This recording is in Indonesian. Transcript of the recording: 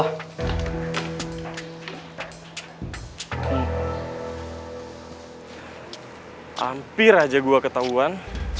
hampir aja gue ketauan